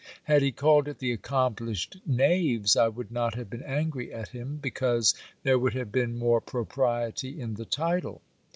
Had he called it The Accomplished Knaves, I would not have been angry at him, because there would have been more propriety in the title.